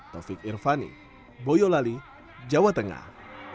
taufik irvani boyolali jawa tengah